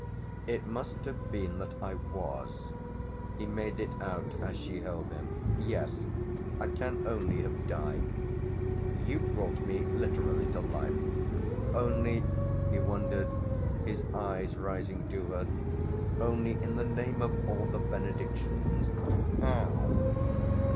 "It must have been that I was." He made it out as she held him. "Yes I can only have died. You brought me literally to life. Only," he wondered, his eyes rising to her, "only, in the name of all the benedictions, how?"